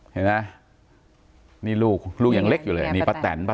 เห็นไหมนี่ลูกลูกยังเล็กอยู่เลยนี่ป้าแตนป้า